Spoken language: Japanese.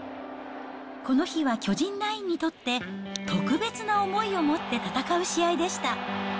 この日は巨人ナインにとって、特別な思いを持って戦う試合でした。